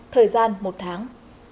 thời gian một tháng